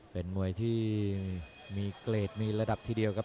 เป็นมวยที่มีเกรดมีระดับทีเดียวครับ